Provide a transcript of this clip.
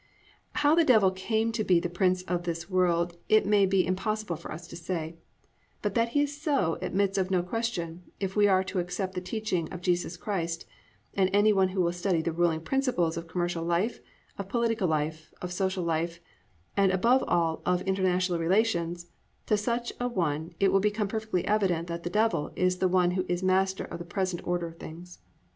How the Devil came to be Prince of this world it may be impossible for us to say, but that he is so admits of no question, if we are to accept the teaching of Jesus Christ, and any one who will study the ruling principles of commercial life, of political life, of social life, and above all of international relations, to such an one it will become perfectly evident that the Devil is the one who is master of the present order of things.